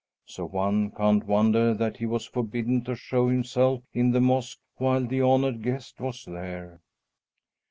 So one can't wonder that he was forbidden to show himself in the mosque while the honored guest was there!